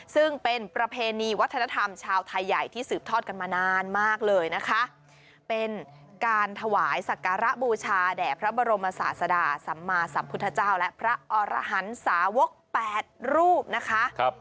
ซึ่งเป็นประเพณีวัฒนธรรมชาวไทยใหญ่ที่สืบทอดกันมานานมากเลยนะคะเป็นการถวายสักการะบูชาแด่พระบรมศาสดาสัมมาสัมพุทธเจ้าและพระอรหันสาวก๘รูปนะคะ